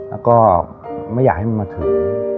แล้วก็ไม่อยากให้มันมาถึง